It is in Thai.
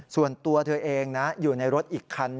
ส่วนตัวเธอเองนะอยู่ในรถอีกคัน